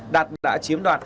đạt đã chiếm đoạt